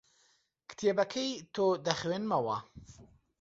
کتێبەکەی تۆ دەخوێنمەوە.